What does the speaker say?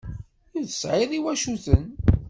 Ur tesɛiḍ iwacuten.